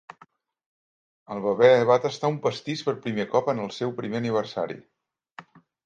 El bebè va tastar un pastís per primer cop en el seu primer aniversari.